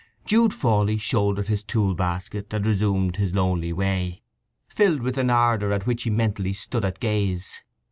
Jude Fawley shouldered his tool basket and resumed his lonely way, filled with an ardour at which he mentally stood at gaze.